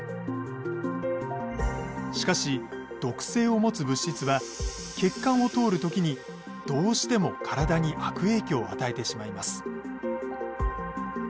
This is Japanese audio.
しかし毒性を持つ物質は血管を通る時にどうしても体に悪影響を与えてしまいます。